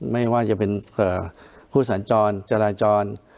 ไม่ว่าจะเป็นผู้สัญจรจราจร